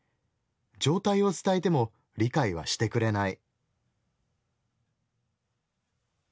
状態を伝えても理解はしてくれない」。